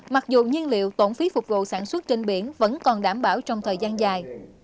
mặc dù nhiên liệu tổn phí phục vụ sản xuất trên biển vẫn còn đảm bảo trong thời gian dài